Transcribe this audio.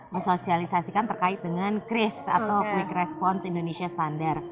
ngesosialisasikan terkait dengan cris atau quick response indonesia standard